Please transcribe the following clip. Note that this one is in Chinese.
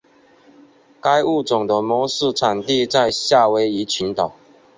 该物种的模式产地在夏威夷群岛。